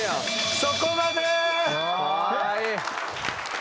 そこまで。